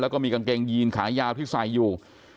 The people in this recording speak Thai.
แล้วก็มีกางเกงยีนขายาวที่ใส่อยู่